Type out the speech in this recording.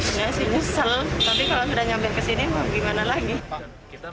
tapi kalau sudah nyambil ke sini gimana lagi